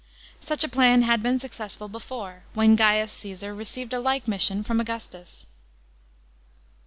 Such a plan had been successful before, when Gaius Csesar received a like mission from Augustus.